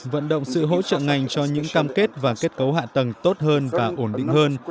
vận động sự hỗ trợ ngành cho những cam kết và kết cấu hạ tầng tốt hơn và ổn định hơn